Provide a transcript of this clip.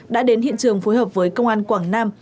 đã đến hiện trường phối hợp với công an quảng nam